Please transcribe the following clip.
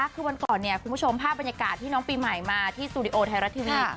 คือวันก่อนเนี่ยคุณผู้ชมภาพบรรยากาศที่น้องปีใหม่มาที่สตูดิโอไทยรัฐทีวี